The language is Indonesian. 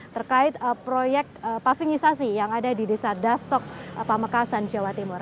terkait proyek pavingisasi yang ada di desa dasok pamekasan jawa timur